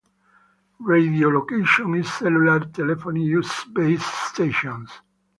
Radiolocation in cellular telephony uses base stations.